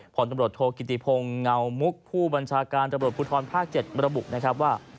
ผลตำรวจโทกิติพงศ์เงามุกผู้บัญชาการตำรวจภูทรภาค๗ระบุนะครับว่า